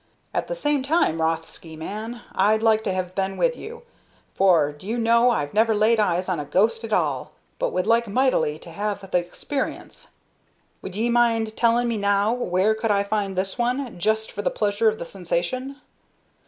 "At the same time, Rothsky, man, I'd like to have been with you, for do you know I've never laid eyes on a ghost at all, but would like mightily to have the exparience. Would ye mind tellin' me now where could I find this one, just for the pleasure of the sensation?"